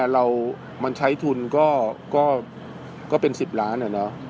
ร้านอาหารของเราใช้ถันก็ก็ก็เป็น๑๐ล้าน